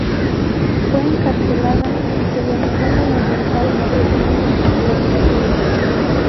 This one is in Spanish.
Fue encarcelada y se le negó la libertad bajo fianza y protección.